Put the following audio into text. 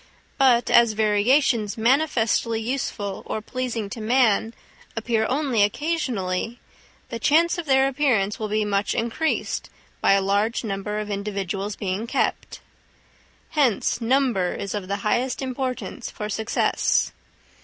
But as variations manifestly useful or pleasing to man appear only occasionally, the chance of their appearance will be much increased by a large number of individuals being kept. Hence number is of the highest importance for success.